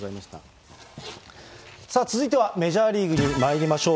さあ、続いてはメジャーリーグにまいりましょう。